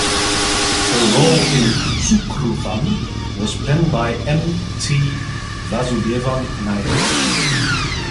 Her role in "Sukrutham" was penned by M. T. Vasudevan Nair.